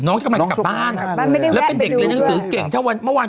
น้องกำลังจะกลับบ้านอ่ะแล้วเป็นเด็กเรียนหนังสือเก่งเท่าวัน